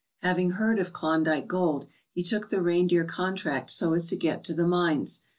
Having heard of Klondike gold, he took the reindeer contract so as to get to the mines.